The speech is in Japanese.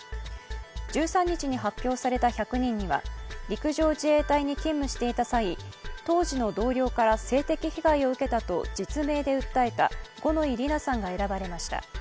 １３日に発表された１００人には、陸上自衛隊に勤務していた際、当時の同僚から性的被害を受けたと実名で訴えた五ノ井里奈さんが選ばれました。